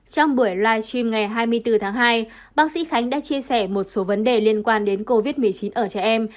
trong buổi live stream ngày hai mươi bốn tháng hai bác sĩ khánh đã chia sẻ một số vấn đề liên quan đến covid một mươi chín ở trẻ em